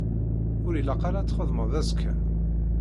Ur ilaq ara ad txedmeɣ azekka?